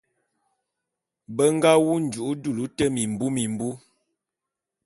Be nga wu nju'u dulu te mimbi mimbu.